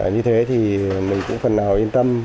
như thế thì mình cũng phần nào yên tâm